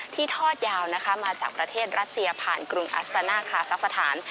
ทอดยาวนะคะมาจากประเทศรัสเซียผ่านกรุงอัสตาน่าคาซักสถาน